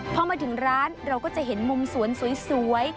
พอมาถึงร้านเราก็จะเห็นมุมสวนสวย